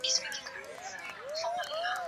د غونډو جریان څنګه ثبت کیږي؟